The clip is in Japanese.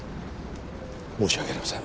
申し訳ありません。